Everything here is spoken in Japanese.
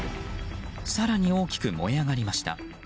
更に大きく燃え上がりました。